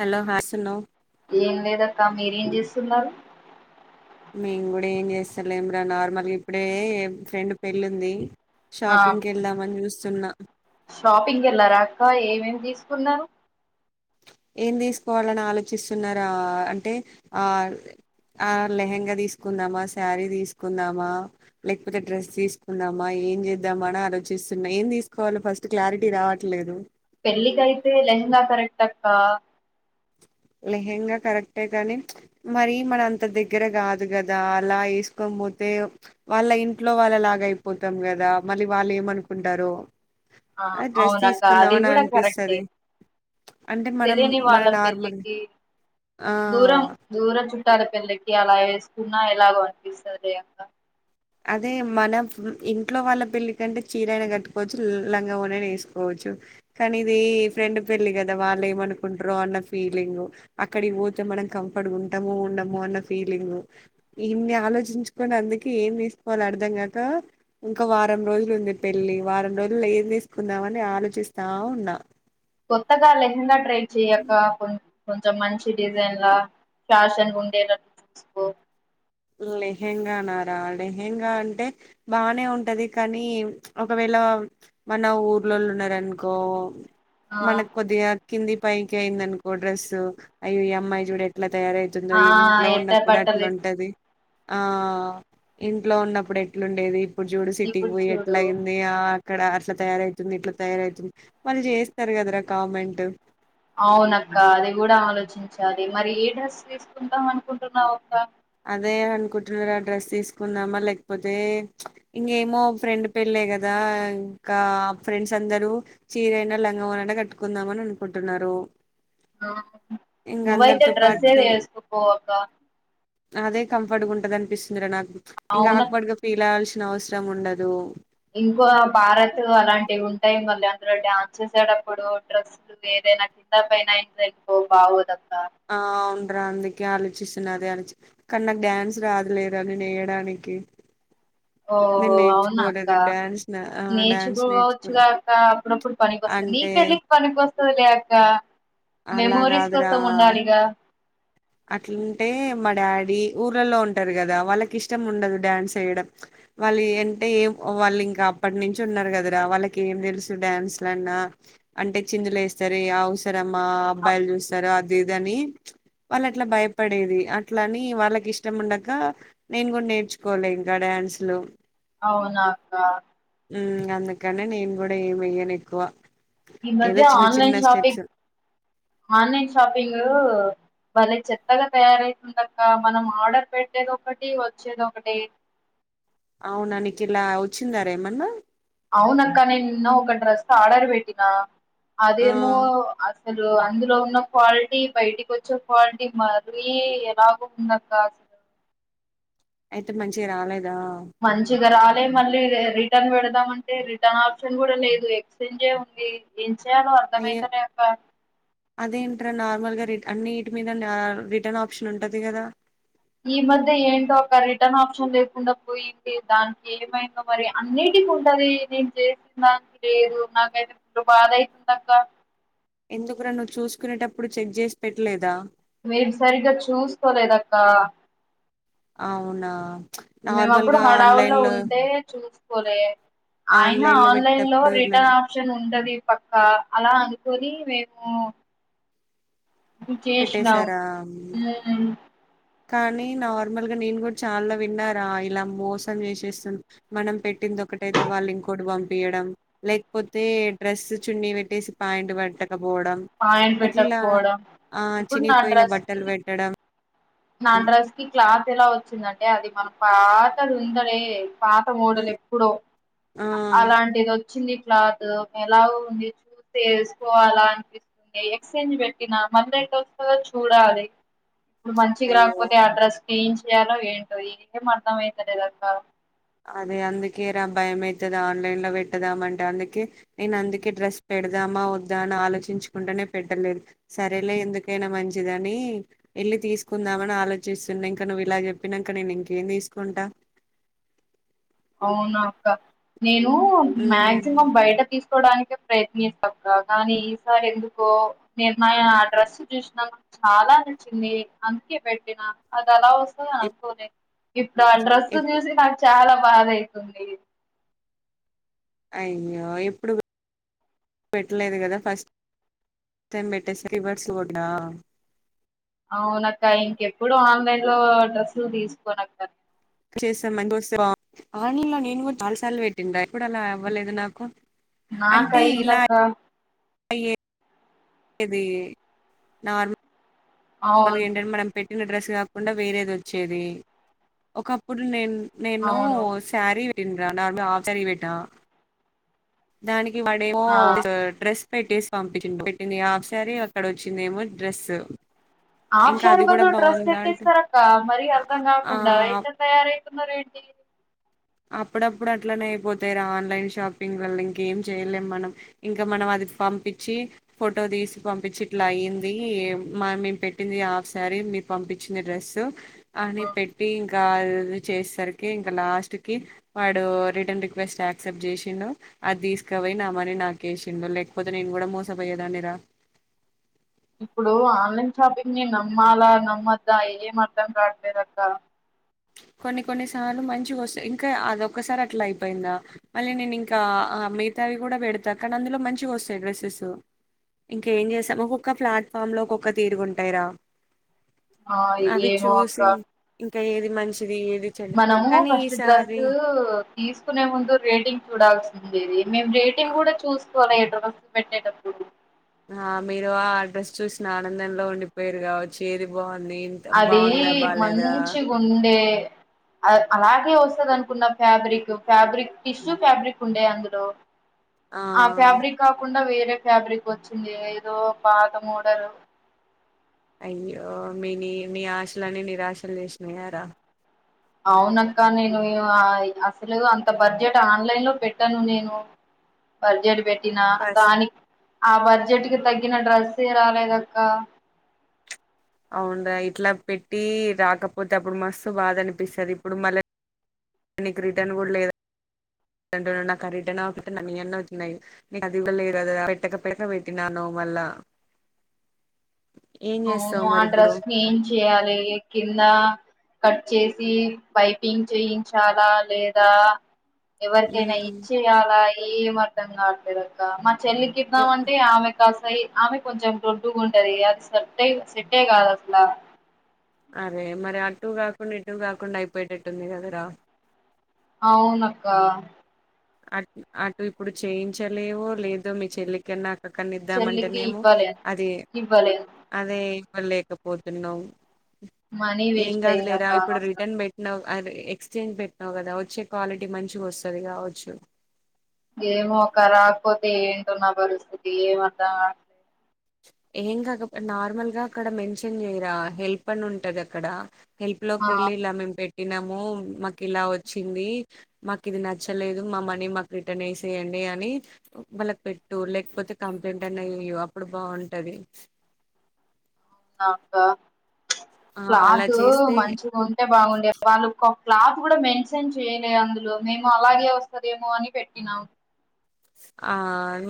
Hello హాస్తున్నావ్ ఏం లేదక్క మీరేం చేస్ తున్నారు మేము కూడా ఏం చేస్తాలేంరా నార్మల్గా ఇప్పుడే ఫ్రెండు పెళ్ళి ఉంది ఆ షాపింగ్కి వెళ్దామా అని చుస్ సున్నా షాపింగ్ వెళ్ళారాక ఏమేం తీసుకున్నరు ఏం తీసుకోవాలని ఆలోచిస్తున్నారా అంటే ఆ ఆ లెహెంగా తీసుకుందామా శారీ తీసుకుందామా లేకపోతే డ్రెస్ తీసుకుందామా ఏం చేద్దామా అని ఆలోచిస్తున్నా ఏం తీసుకోవాలో ఫస్ట్ క్లారిటీ రావట్లేదు పెళ్ళికయితే లెహాంగా కరెక్ట్ అక్క లహ్యంగా కరెక్టే కానీ మరి మన అంత దగ్గర కాదు కదా అలా వేసుకో పోతే వాళ్ళ ఇంట్లో వాళ్ళలాగ అయిపోతాం కదా మళ్ళీ వాళ్ళు ఏమనుకుంటారో ఆ డ్రెస్ అవునక్క అది తీసుకుందామని కూడా కరెక్టే అనిపిస్తది అంటే మనం తెలియని మన వాళ్ళ పెళ్లికి నార్మల్ కి ఆ దూరం దూర చు చుట్టాల పెళ్లకి అలా ఎసుకున్నా ఎలాగో అనిపిస్తది లే అక్క అదే మనం ఇంట్లో వాళ్ళ పెళ్ళి కంటే చీరైన కట్టుకోవచ్చు లంగా ఓని అయిన ఏసుకోవచ్చు కానీ ఇది ఫ్రెండ్ పెళ్లి కదా వాళ్ళు ఏమనుకుంటరో అన్న ఫీలింగు అక్కడికి పోతే మనం కంఫర్ట్గా ఉంటాముో ఉండమో అన్న ఫీలింగ్ ఇన్ని ఆలోచించుకొని అందుకే ఏం వే వాళ్ళు అర్ధం కాక ఇంకా వారం రోజులు ఉంది పెళ్లి వారం రోజులు ఏం తీసుకుందామ అని ఆలోచిస్తా ఉన్నా కొత్తగా లెహంగాట్రై చే అక్క కొ మంచి డిజైన్ లా ఫ్యాషన్ ఉండేటట్టు చూసుకో లెహెంగా నారా లెహెంగా అంటే బానే ఉంటది కానీ ఒకవేళ మన ఊర్లోళు ఉన్నారనుకో ఆ మన కొదిగా కింది పైకి అయింది అనుకో డ్రస్సు అయ్య అమ్మాయి చూడు ఎట్లా తయారవుతుందో ఆ ఇంట్లో ఎట్ట ఉన్నప్పుడు బట్టలు వేసు అట్లాంటుది ఆ ఇంట్లో ఉన్నప్పుడు ఎట్లుండేది ఇప్పుడు చూడు సిటీకి ఇప్పుడు పోయి ఎట్ల చూడు అయింది ఆ అక్కడ అట్లా తయారైతుంది ఇట్లా తయారైతుంది వాళ్ళు చేస్తారు కదరా కామెంట్ అవునక్క అది కూడా ఆలోచించాలి మరి ఏ డ్రెస్ వేసుకుంటాం అనుకుంటున్నావుక్క అదే అనుకుంటున్నారు ఆ డ్రెస్ తీసుకుందామా లేకపోతే ఇంకేమో ఫ్రెండ్ పెళ్ళే కదా ఇంకా ఫ్రెండ్స్ అందరూ చీరైనా లంగవోని అన్న కట్టుకుందామని అనుకుంటున్నారు ఇంక నువ్వైతే అందరితో డ్రెస్స్ ఏది పాటు ఏసుకుపోవాక్క అదే కంఫర్ట్గా ఉంటది అనిపిస్తుందిరా నాకు ఇంకా అవును ఆక్వర్డ్ గా ఫీల్ అవ్వాల్సిన నవసరం ఉండదు ఇంకో భారత్ అలాంటివి ఉంటాయి మళ్ళీ అందులో డ్యాన్స్ చేసేటప్పుడు డ్రస్ ఏదైనా కింద పన అపో బాదు ఆ అవును అందుకే ఆలోచిస్తున్నదే అని కానీ నాకు డ్యాన్స్ రాదులేదు అని నేను నేయడానికి ఓహో అవునా అక్క నా ఆ! నేచి డాన్స్ నేర్చుకోలే. కూవచ్చుగాక అప్పుడప్పుడు పనికి వస్తంది నీ అంటే పెళ్లికి పనికినికి వస్తా సూలేక్క అలా మెమోరీస్ కోసం ఉండాలిగా అట్లంటే మా డాడీ ఊర్లలో ఉంటారు కదా వాళ్ళకి ఇష్టం ఉండదు డ్యాన్స్ వేయడం వాళ్ళు అంటే ఏం వాళ్ళు ఇంకా అప్పటి నుంచి ఉన్నారు కదరా వాళ్ళకి ఏం తెలుసు డ్యాన్స్ లన్నా అంటే చిందులు వేస్తారు అవసర మా అ- అబ్బాయిలు చూస్తారు అ దేదని వాళ్ళు అట్లా భయపడేది అట్ల అని వాళ్ళకి ఇష్టం ఉండక నేను కూడా నేర్చుకోలే ఇంకా డ్యాన్సులు అవునా అక్క అందుకనే నేను కూడా ఏమి వెయ్యను ఎక్కువ ఈ ఏదో మధ్య చిన్న చిన్న online shopping steps online shopping లో బలే చెత్తగా తయారైతుండక్క మనం ఆర్డర్ పెట్టేది ఒకటి వచ్చేది ఒకటి అవునా నీకి ఇలా వచ్చిందారేమన్నా అవును అక్క నేను నిన్న ఒక డ్రెస్ ఆడర్బేటినా ఆ అదేమో అస్స అసలు అందులో ఉన్న క్వాలిటీ బయటికి వచ్చే క్వాలిటీ మరి ఎలాగో ఉందక్క అసలు అయితే మంచిగా రాలేదు మంచిగా రాలే మళ్ళీ రిటర్న్ పెడదాం అంటే రిటర్న్ ఆప్షన్ కూడా లేదు ఎక్స్చేంజే ఉంది ఏం చెయ్యాలో అయ్యో అర్ధమైత లే అక్క అదేంట్రా నార్మల్ గా రి అన్నిటి మీద రిటర్న్ ఆప్షన్ ఉంటది కదా ఈ మధ్య ఏంటో ఒక రిటర్న్ ఆప్షన్ లేకుండా పోయింది దానికి ఏమైందో మరి అన్నిటికి ఉంటది నేను చేసిన దానికి లేదు నాకైతే మీరు బాధ అయితుందక్క ఎందుకు రా నువ్వు చూసుకునేటప్పుడు చెక్ చేసి పెట్టలేదా మీరు సరిగ్గా చూస్కోలేదక్క అవునా నార్మల్ మేముప్పుడు గా ఆన్లైన్ హడావుల్లో లో ఉంటే చూసుకోలే అయినా లో ఆన్లైన్ లో పెట్టేటప్పుడు ఇలా రిటర్న్ ఆప్షన్ ఉంటది పక్కా అలాలా అందుకోలి కేష్నావు పెట్టేశారా కానీ నార్మల్గా నేను కూడా చాలా విన్నారా ఇలా మోసం చేసేస్తు మనం పెట్టింది ఒకటైతే వాళ్ళు ఇంకోటి పంపయడం లేకపోతే డ్రెస్ చున్నీ పెట్టేసి పా్యాంట్ పట్ట పోవడం పాయింట్ ఇట్లా పెట్టకపోవడం ఆ ఇప్పుడు నా చినిపోయిన డ్రెస్ బట్టలు కి పెట్టడం నా డ్రస్ కి క్లాత్ ఎలా వచ్చింద అంటే అది మన పాతది ఉందలే పాత మూడలు ఉమ్, ఎప్పుడో ఆ అలాంటిది వచ్చింది క్లాత్ ఎలా ఉంది చూత్తె వేసుకోవాలా అనిపిస్తుంది ఎక్స్చేంజ్ పెట్టినా మంద ఎట్టో వస్తాదో చూడాలి [unintelligible] మంచి గ అయ్యో రాకపోతే ఆ డ్రస్ ఏం చేయాలో ఏంటో ఏం అర్ధం అయితలేదక్క అదే అందుకే రా భయం అయితది ఆన్లైన్ లో పెట్టదామంటే అందుకే నేను అందుకే డ్రెస్ పెడదామా వద్దా అని ఆలోచించుకుంటేనే పెట్టలేదు సరేలే ఎందుకైనా మంచిదని వెళ్ళి తీసుకుందామని ఆలోచిస్తున్న ఇంక నువ్వు ఇలా చెప్పినంక నేను ఇంకేం తీసుకుంటా అవునా అక్క నేను ఉమ్ మాగ్జిమం బయట తీసు కోడానికి ప్రయత్నిస్తా కాని ఈసారి ఎందుకో నేను ఆ డ్రస్ చూసినా నాకు చాలా నచ్చింది అందుకే పెట్టినా అ ద లా వస్తుంది ఎప్ అనుకోలే ఇప్పుడు ఆ ఎప్ డ్రెస్సుని చూసి నాకు చాలా బాధయితుంది అయ్యో ఎప్పుడు పెట్టలేదు గదా ఫస్ట్ టై పెట్టేస్త రివర్స్ [unintelligible] అవునక్క ఇంకెప్పుడు ఆన్లైన్ లో డ్రస్సులు తీసుకోనక్క ఆన్లైన్లో నేను కూడా చాలసార్లు పెట్టిండ్రా ఎప్పుడూ అలా అవ్వలేదు నాకు నాకైందక్క అయ్యే ఇది నార్మ అవును వాళ్ళకెంటటే మనం పెట్ పెట్టిన డ్రెస్ కాకుండా వేరేది వచ్చేది ఒకప్పుడు నేను నేను అవును సారీ అ న హాఫ్ సారి పెట్టిన దానికి ఆ డ్రెస్ పెట్టేసి పంపించిండు పెట్టింది హాఫ్ సారీ అక్కడ వచ్చిందేమో డ్రెస్ హాఫ్ ఇంకా సారి అది కూడా బదులు డ్రెస్ బాగుందా ఎట్ల అంటే ఇస్తారక్క మరీ అర్ధం ఆ ఆ! కాకుండా ఎట్టా తయారై మరేంటి అప్పుడప్పుడు అట్లనే అయిపోతాయిార ఆన్లైన్ షాపింగ్ వల్ల ఇంకేం చేయలేము మనం ఇంకా మనం అది పంపించి ఫోటో తీసి పంపించి ఇట్లా అయ్యింది మా మేము పెట్టింది హాఫ్ సారీ మీ పంపించిన డ్రెస్ అని ఆ పెట్టి ఇంకాది చేసేసరికి ఇంకా లాస్ట్ వాడు రిటర్న్ రిక్వెస్ట్ యాక్సెప్ట్ చేసిండు అది తీసుకు పోయినామని నాకేసిండు లేకపోతే నేను కూడా మోసపోయేదాన్ని రా ఇప్పుడు ఆన్లైన్ షాపింగ్ ని నమ్మాలా నమ్మద్దా ఏం అర్ధం కాటలేదక్క కొన్ని కొన్నిసార్లు మంచిగా వస్తాయి ఇంకా అదొక్కసారి అట్లా అయిపోయిందా మళ్ళీ నేను ఇంకా మిగతావి కూడా పెడతా కానీ అందులో మంచిగా వస్తాయి డ్రెస్సెస్ ఇంకా ఏం చేస్తాం ఒక్కొక్క ప్లాట్ఫామ్లో ఒక్కొక్క తీరుగు ఉంటాయిరా ఆ ఏమో అక్క ఏది మంచి మనము ఫస్ట్ డ్రెస్ తీసుకునే ముందు రేటింగ్ చూడాల్సి దీదీ మేము రేటింగ్ కూడా చూస్త [unintelligible] పెట్టేటప్పు ఆ మీరు ఆ డ్రైస్ చూసిన ఆనందంలో ఉండిపోయారు కావచ్చు ఏది బాగుందో అదీ మంచిగు ఉండే అలాగే వస్తుంది అనుకున్న ఫ్యాబ్రిక్ ఫ్యాబ్రిక్ టిష్యూ ఫ్యాబ్రిక్ ఉండే అందులో ఆ ఫ్యాబ్రిక్ కాకుండా వేరే ే ఫ్యాబ్రిక్ వచ్చింది ఏదో పాత మోడల్ అయ్యో మీ న మీ ఆశలన్నీ నిరాశలు చేసినాయారా అవునక్క నేను అసలు అంత బడ్జెట్ ఆన్లైన్ లో పెట్టాను నేను బడ్జెట్ పెట్ నా ఫస్ట్ దాని ఆ బడ్జెట్ కి తగ్గిన డ్రెస్ రాలేదక్క అవుడ్ర ఇట్లా పెట్టి రాకపోతే అప్పుడు మస్తు బాధ అనిపిస్తుంది ఇప్పుడు మళ్ళా నీకు రిటర్న్ కూడా లేద నా రిటర్న్ అన్న వచ్చయి అది కూడా లేరుద పెట్టక పెట్ట పెట్టినాను మళ్ళా ఏం అవును చేస్తావు ఆ మరి ఇప్పుడు డ్రెస్ ని ఏం చెయాలి కింద కట్ చేసి పైపింగ్ చేయించాలా లేదా ఎవరికైనా ఉమ్ ఇచ్చేయల ఏం అర్థం కావట్ లేదు అక్క ఎ- చెల్లికిద్దాంమంటే ఆమెక్ కాస్తయి ఆమె కొంచెం దొడ్డుగా ఉంటది అది సట్ట సెట్టే కాదస్లా అరే మరి అటు కాకుండ ఇటు కాకుండా అయిపోయిటటుంది కదరా అవునక్క అ అటు ఇప్పుడు చేయించలేవో లేదో మీ చెల్లికన్నా చెల్లికి అక్కనిద్దామంటేనేమ ఇవ్వలేను అది ఇవ్వలేను అదే ఇలేకపోతున్నావు మనీ వేస్ట్ అయిందక్క అది ఎక్స్చేంజ్ పెట్టినావు కదా వచ్చే క్వాలిటీ మంచిగా వస్తది కావచ్చు అచ్చ ఏమో అక్క రాకపోతే ఏంటో నా పరిస్థితి ఏమ అర్థం అట్లేదు ఏం కాదు నార్మల్గా అక్కడ మెన్షన్ చేయరా హెల్ప్ అని ఉంటది అక్కడ హెల్ప్ ఆ లోకి ఎల్లి ఎలా మేం పెట్ నము మాకు ఇలా వచ్చింది మాకు ఇది నచ్చలేదు మా మనీ మాకు రిటర్న్ వసేయండి అని వాళ్ళకు పెట్టు లేకపోతే కంప్లైంట్ అన్న యు అప్పుడు బాగుంటది ఆ అక్క ఆ అలా క్లాత్ చేస్తే మంచిగా ఉంటే బాగుండే వాళ్ళు క్లాత్ కూడా మెన్షన్ చేయలే అందులో మేము అలాగే వస్తదేమో అని పెట్టినాం ఆ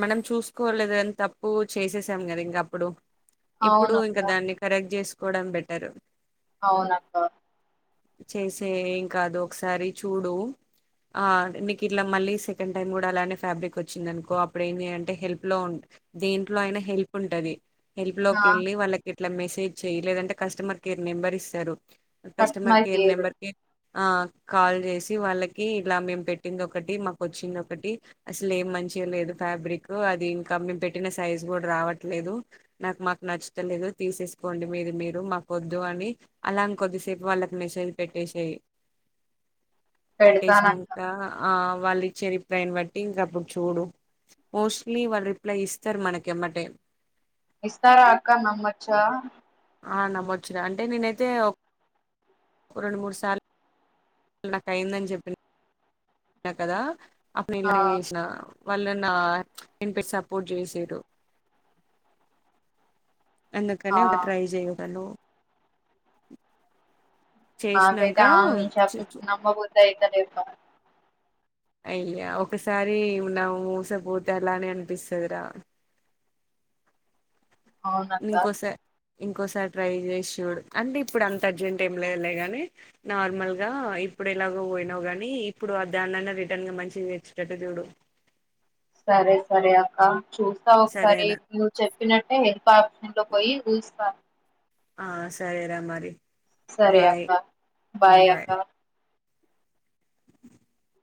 మనం చూసుకోలేదు అని తప్పు చేసేసాం కదా ఇంకా అప్పుడు ఇప్పుడు అవునక్క ఇంకా దాన్ని కరెక్ట్ చేసు కొడం బెట్టరు అవునక్కా చేసే ఏం కాదు ఒకసారి చూడు ఆ మీకు ఇట్లా మళ్ళీ సెకండ్ టైం కూడా అలానే ఫ్యాబ్రిక్ వచ్చింది అనుకో అప్పుడ ఏమి అంటే హెల్ప్ లో ఉ దేంట్లో అయినా హెల్ప్ ఉంటది హల్ప్ లోకి ఆ వెళ్లి వాళ్ళకి ఇట్లా మెసేజ్ చెయ్య లేదంటే కస్టమర్ కేర్ నెంబర్ ఇస్తారు కస్టమర్ నెంబర్కి ఆ కాల్ చేసి వాళ్ళకి ఇలా మేము పెట్టింది ఒకటి మాకు వచ్చింది ఒకటి అసలు ఏం మంచి లేదు ఫ్యాబ్రిక్ అది ఇంకా మేము పెట్టిన సైజు కూడా రావట్లేదు నాకు మాకు నచ్చతలేదు తీసేసుకోండి మీది మీరు మాకు వద్దు అని అలా కొద్దిసేపు వాళ్ళ మెసేజ్ పెట్టేసేయి పెడతానక్క పెట్టేశినంక ఆ వాళ్ళు ఇచ్చే రిప్లైని బట్టి ఇంక అప్పుడు చూడు మోస్ట్లీ వాళ్ళ రిప్లై ఇస్తారు మనకెమ్మటే విస్తార అక్క నమ్మొచ్చా ఆ నమ్మొచ్చు రా అంటే నేనైతే రెండు మూడుసార్లు నాకు అయిందని చెప్పి నా కదా అప్పుడు నేను ఆ ఇలానే చేసినా వాళ్ళ నా నేని పెట్ సపోర్ట్ చేసారు ఆ అన్నకనే ఒక ట్రై చేయను నాకైతే చేసినంక ఆన్లైన్ షాపింగ్ నమ్మబుద్ధి అయితలే అక్క అయ్యా ఒకసారిన్నావు మూసపోతే అలా నే అనిపిస్తుది రా అవునక్క ఇంకోసా ఇంకోసారి ట్రై చేసి చూడు అంటే ఇప్పుడు అంత అర్జెంట్ ఏం లే వెళ్లే గాని నార్మల్ గా ఇప్పుడు ఎలాగో పోయినావు కానీ ఇప్పుడు ఆ దాన్ననా రిటర్న్గా మంచిది తెచ్చేటట్టు చూడు సరే సరే అక్క చూస్తా ఒకసారి సరేరా నువ్వు చెప్పినట్టే హది ఇంట్లో పోయి చూస్తాను ఆ సరే రా మరి సరే బాయ్ అక్క బాయ్ అక్క